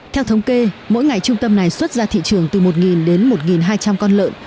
theo thống kê mỗi ngày trung tâm này xuất ra thị trường từ một đến một hai trăm linh con lợn